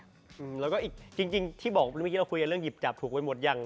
แล้วก็อีกจริงที่บอกเมื่อกี้เราคุยกันเรื่องหยิบจับถูกไปหมดอย่าง